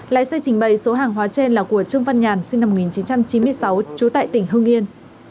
lái xe trình bày số hàng hóa trên là của trương văn nhàn sinh năm một nghìn chín trăm chín mươi sáu trú tại tỉnh hưng yên